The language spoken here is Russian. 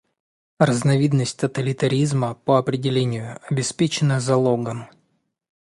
Разновидность тоталитаризма, по определению, обеспечена залогом.